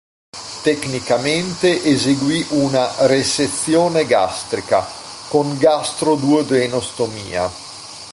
Tecnicamente eseguì una "resezione gastrica" con "gastro-duodeno-stomia".